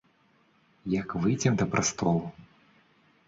Як выйдзем да прастолу!